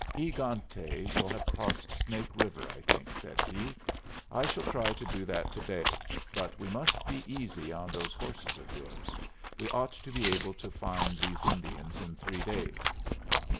"E egante will have crossed Snake River, I think," said he. "I shall try to do that to day; but we must be easy on those horses of yours. We ought to be able to find these Indians in three days."